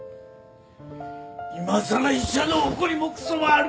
今さら医者の誇りもクソもあるか！